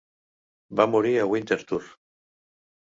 Va morir a Winterthur.